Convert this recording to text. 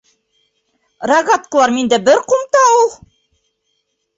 Рогаткалар миндә бер ҡумта ул...